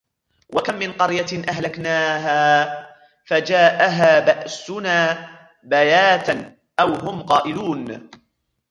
وَكَمْ مِنْ قَرْيَةٍ أَهْلَكْنَاهَا فَجَاءَهَا بَأْسُنَا بَيَاتًا أَوْ هُمْ قَائِلُونَ